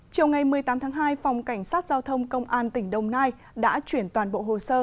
chiều ngày một mươi tám tháng hai phòng cảnh sát giao thông công an tỉnh đồng nai đã chuyển toàn bộ hồ sơ